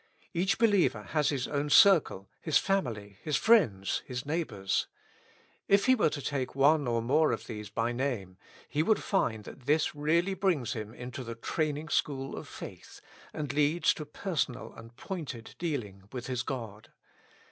Each believer has his own circle, his family, his friends, his neighbors. If he were to take one or more of these by name, he would find that this really brings him into the train ing school of faith, and leads to personal and pointed dealing with his God.